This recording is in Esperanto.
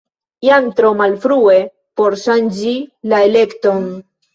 Jam tro malfrue por ŝanĝi la elekton.